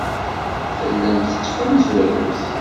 Tellamt tettfunzuremt.